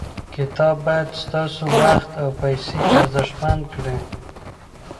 کتاب باید ستاسو وخت او پیسې ارزښتمن کړي.